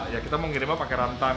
ya kita mau ngirimnya pakai rantang